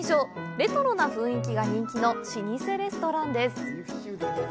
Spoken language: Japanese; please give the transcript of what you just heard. レトロな雰囲気が人気の老舗レストランです。